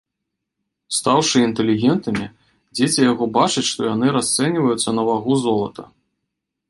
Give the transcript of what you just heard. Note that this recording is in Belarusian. Стаўшы інтэлігентамі, дзеці яго бачаць, што яны расцэньваюцца на вагу золата.